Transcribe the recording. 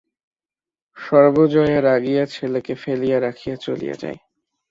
সর্বজয়া রাগিয়া ছেলেকে ফেলিয়া রাখিয়া চলিয়া যায়।